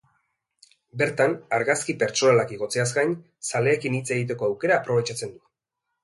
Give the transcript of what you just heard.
Bertan, argazki pertsonalak igotzeaz gain, zaleekin hitz egiteko aukera aprobetxatzen du.